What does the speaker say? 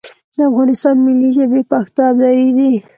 د افغانستان ملي ژبې پښتو او دري دي